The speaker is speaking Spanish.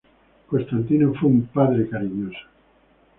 Constantino fue un padre cariñoso.